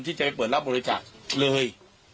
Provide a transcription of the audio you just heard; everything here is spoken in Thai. ที่จะไปเปิดรับบริจาคเลย